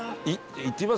行ってみます？